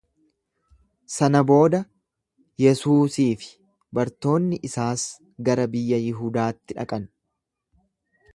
Sana booda Yesuusii fi bartoonni isaas gara biyya Yihudaatti dhaqan.